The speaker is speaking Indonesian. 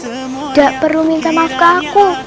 tidak perlu minta maaf ke aku